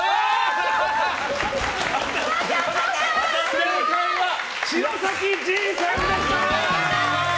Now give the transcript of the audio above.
正解は城咲仁さんでした！